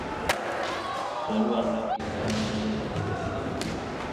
Zoruan lauki-sare bat ere egin zuen.